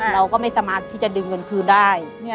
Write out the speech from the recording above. เราก็ไม่สามารถที่จะดึงเงินคืนได้